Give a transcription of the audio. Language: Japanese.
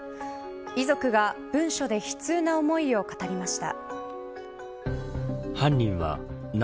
遺族が文書で悲痛な思いを語りました。